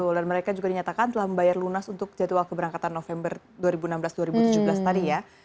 betul dan mereka juga dinyatakan telah membayar lunas untuk jadwal keberangkatan november dua ribu enam belas dua ribu tujuh belas tadi ya